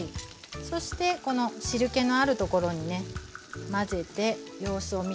そしてこの汁けのあるところにね混ぜて様子を見て下さい。